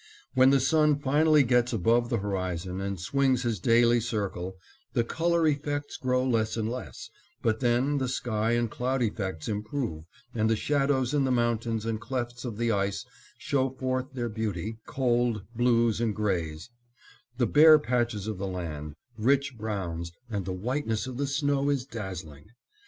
When the sun finally gets above the horizon and swings his daily circle, the color effects grow less and less, but then the sky and cloud effects improve and the shadows in the mountains and clefts of the ice show forth their beauty, cold blues and grays; the bare patches of the land, rich browns; and the whiteness of the snow is dazzling.